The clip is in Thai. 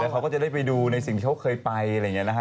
เขาก็จะได้ไปดูในสิ่งที่เขาเคยไปอะไรอย่างนี้นะฮะ